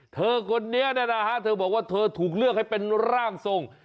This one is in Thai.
เธอคนนี้เนี่ยนะฮะเธอบอกว่าเธอถูกเลือกให้เป็นร่างทรง